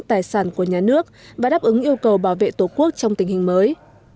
tài sản của nhà nước và đáp ứng yêu cầu bảo vệ tổ quốc trong tình hình mới